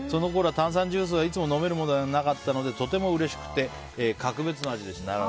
炭酸ジュースはいつも飲めるものではなかったのでとてもうれしくて格別の味でした。